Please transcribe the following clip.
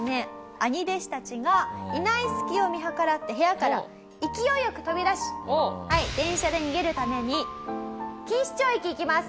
兄弟子たちがいない隙を見計らって部屋から勢いよく飛び出し電車で逃げるために錦糸町駅行きます。